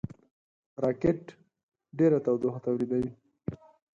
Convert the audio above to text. راکټ ډېره تودوخه تولیدوي